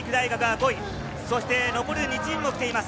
残る２チームも来ています。